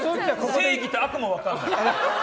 正義と悪も分かんない。